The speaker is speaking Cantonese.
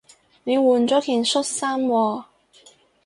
你換咗件恤衫喎